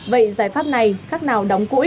vậy giải pháp này khác nào đóng củi